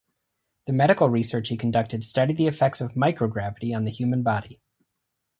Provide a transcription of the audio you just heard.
The medical research he conducted studied the effects of microgravity on the human body.